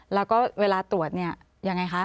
แล้วก็เวลาตรวจเนี่ยยังไงคะ